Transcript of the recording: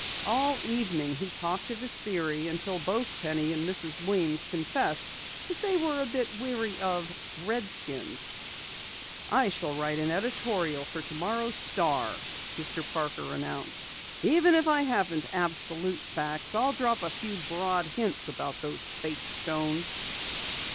All evening he talked of his theory until both Penny and Mrs. Weems confessed that they were a bit weary of redskins. "I shall write an editorial for tomorrow's Star," Mr. Parker announced. "Even if I haven't absolute facts, I'll drop a few broad hints about those fake stones!"